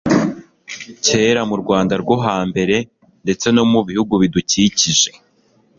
Kera mu Rwanda rwo ha mbere ndetse no mu bihugu bidukikije,